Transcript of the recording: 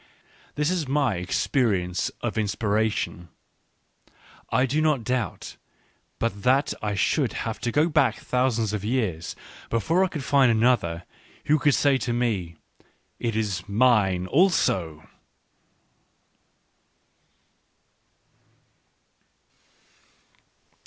This is my experience of inspiration. I do not doubt but that I should have to go back thousands of years before I could find another who could say to me :" It is mine also